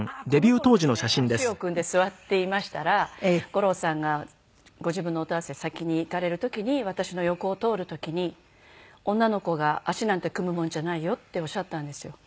足を組んで座っていましたら五郎さんがご自分の音合わせ先に行かれる時に私の横を通る時に「女の子が足なんて組むもんじゃないよ」っておっしゃったんですよ。